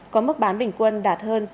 có mức bán bình quân đạt hơn